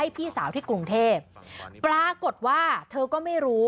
ปรากฏว่าเธอก็ไม่รู้